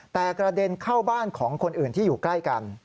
แต่กระเด็นเข้าบ้านของคนอื่นที่อยู่ใกล้กัน